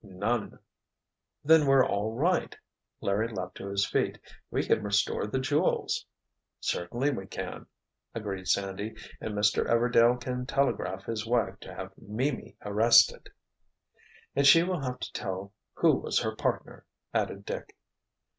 "None!" "Then we're all right!" Larry leaped to his feet. "We can restore the jewels!" "Certainly we can!" agreed Sandy. "And Mr. Everdail can telegraph his wife to have Mimi arrested——" "And she will have to tell who was her partner," added Dick.